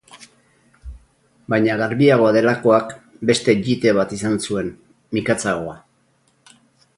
Baina garbiagoa delakoak beste jite bat izan zuen, mikatzagoa.